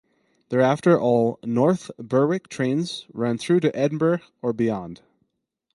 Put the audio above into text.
Thereafter, all North Berwick trains ran through to Edinburgh or beyond.